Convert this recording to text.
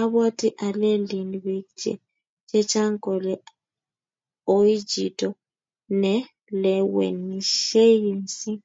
Abwoti ale lin bik che chang kole oi chito nelewenishei mising